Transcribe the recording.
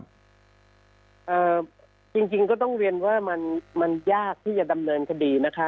จริงจริงก็ต้องเรียนว่ามันมันยากที่จะดำเนินคดีนะคะ